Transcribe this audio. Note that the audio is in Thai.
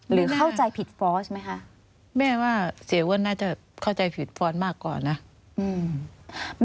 หรือเข้าใจผิดฟอร์สไหมคะแม่ว่าเสียอ้วนน่าจะเข้าใจผิดฟอร์สมากกว่านะอืม